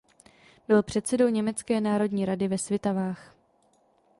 Byl předsedou Německé národní rady ve Svitavách.